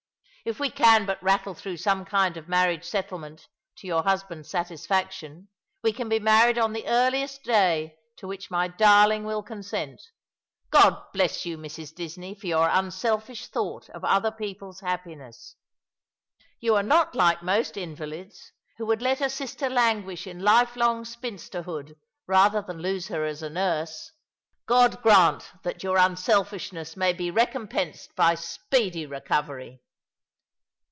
If we can but rattle through some kind of marriage settlement to your husband's satisfac tion we can be married 'on the earliest day to which my darling will consent. God bless you, Mrs. Disney, for your unselfish thought of other people's happiness ! You are not like most invalids, who would let a sister languish in life long spinsterhood rather than lose her as a nurse. God grant that your unselfishness may be recompensed by speedy recovery